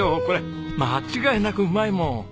これ間違いなくうまいもん。